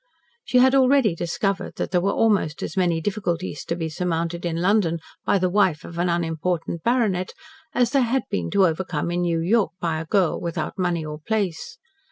She had already discovered that there were almost as many difficulties to be surmounted in London by the wife of an unimportant baronet as there had been to be overcome in New York by a girl without money or place.